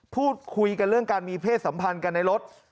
พูดคุยกันเรื่องการมีเพศสัมพันธ์กันในรถ